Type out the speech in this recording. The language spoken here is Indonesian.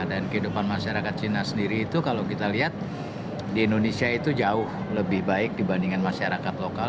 dan kehidupan masyarakat cina sendiri itu kalau kita lihat di indonesia itu jauh lebih baik dibandingkan masyarakat lokal